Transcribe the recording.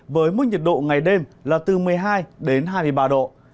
với mức nhiệt độ ngày đêm là từ một mươi hai đến hai mươi ba độ